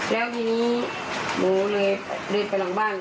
แล้วทีนี้หนูเลยเดินไปหลังบ้าน